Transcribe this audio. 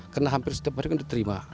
karena hampir setiap hari sudah diterima